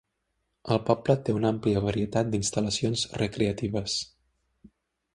El poble té una àmplia varietat d'instal·lacions recreatives.